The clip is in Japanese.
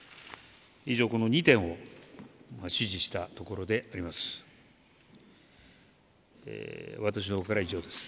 以上この２点を指示したところであります。